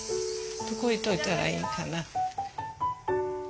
どこ置いといたらいいんかな。